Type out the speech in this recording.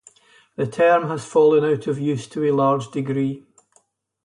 The term has fallen out of use to a large degree.